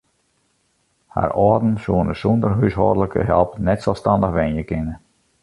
Har âlden soene sûnder húshâldlike help net selsstannich wenje kinne.